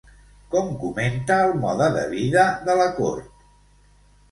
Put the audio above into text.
Com comenta el mode de vida de la cort?